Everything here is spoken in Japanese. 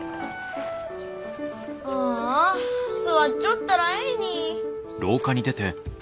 ああ座っちょったらえいに。